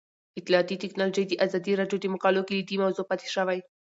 اطلاعاتی تکنالوژي د ازادي راډیو د مقالو کلیدي موضوع پاتې شوی.